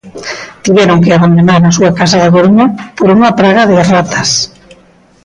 Tiveron que abandonar a súa casa da Coruña por unha praga de ratas.